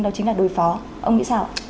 đó chính là đối phó ông nghĩ sao